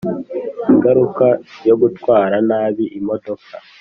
ingaruka yo gutwara nabi imodoka